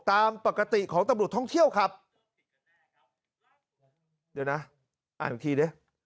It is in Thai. ตามปกติของตำรวจท่องเที่ยวครับเดี๋ยวนะอ่านอีกทีดิ